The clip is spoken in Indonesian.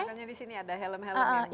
oh ini di sini ada helm helm yang diberi